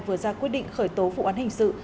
vừa ra quyết định khởi tố vụ án hình sự